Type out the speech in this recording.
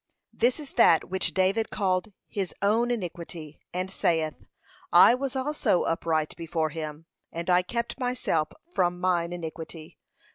This is that which David called his own iniquity, and saith, 'I was also upright before him, and I kept myself from mine iniquity.'